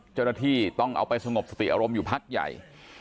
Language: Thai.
เจ้าหน้าที่ต้องเอาไปสงบสติอารมณ์อยู่พักใหญ่